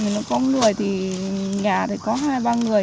không có người thì nhà có hai ba người